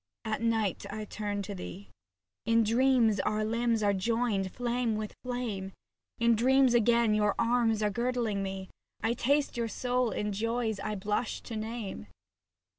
At night I turn to thee. In dreams our limbs are joined, as flame with flame, In dreams again your arms are girdling me, I taste your soul in joys I blush to name.